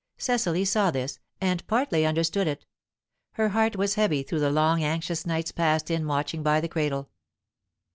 Cecily saw this, and partly understood it; her heart was heavy through the long anxious nights passed in watching by the cradle.